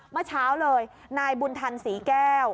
เมื่อเช้าเลยนายบุญทันศรีแก้ว